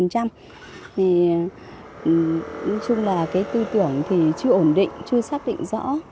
nói chung là tư tưởng chưa ổn định chưa xác định rõ